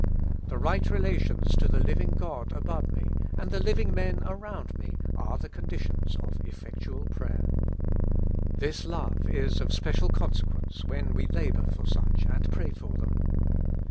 The right relations to the living God above me, and the living men around me, are the conditions of effectual prayer. This love is of special consequence when we labor for such and pray for them.